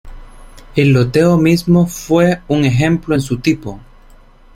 El loteo mismo fue un ejemplo en su tipo.